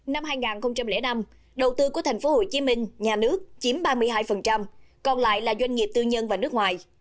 năm hai nghìn năm đầu tư của tp hcm nhà nước chiếm ba mươi hai còn lại là doanh nghiệp tư nhân và nước ngoài